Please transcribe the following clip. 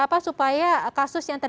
karena mereka terang dan mengganggu